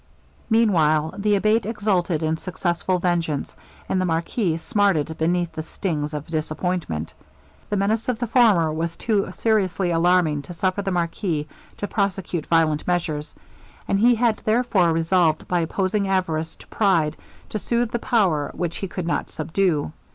Meanwhile the Abate exulted in successful vengeance, and the marquis smarted beneath the stings of disappointment. The menace of the former was too seriously alarming to suffer the marquis to prosecute violent measures; and he had therefore resolved, by opposing avarice to pride, to soothe the power which he could not subdue.